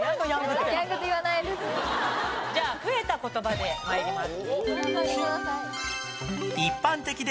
じゃあ増えた言葉で参ります。